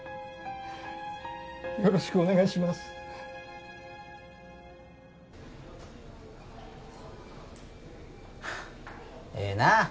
よろしくお願いしますええなあ